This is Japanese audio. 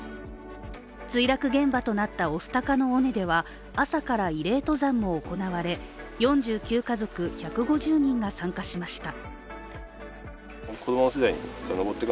墜落現場となった御巣鷹の尾根では朝から慰霊登山も行われ４９家族１５０人が参加しました。